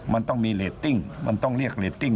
มันต้องมีเรตติ้งมันต้องเรียกเรตติ้ง